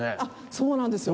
そうなんですよ。